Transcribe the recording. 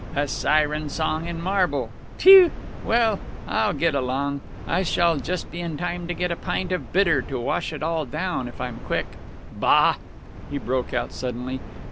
A Siren Song in Marble!' Phew!... Well, I'll get along. I shall just be in time to get a pint of bitter to wash it all down if I'm quick... Bah!" he broke out suddenly.